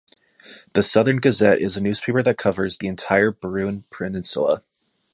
The Southern Gazette is a newspaper that covers the entire Burin Peninsula.